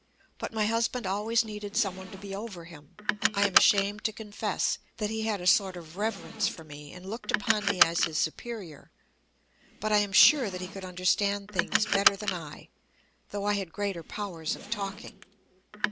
But my husband always needed some one to be over him. I am ashamed to confess that he had a sort of reverence for me, and looked upon me as his superior. But I am sure that he could understand things better than I, though I had greater powers of talking.